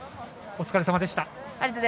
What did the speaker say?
お疲れさまでした。